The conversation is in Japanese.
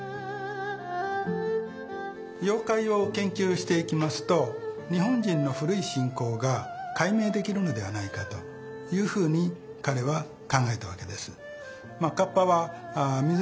妖怪を研究していきますと日本人の古い信仰が解明できるのではないかというふうに彼は考えたわけです。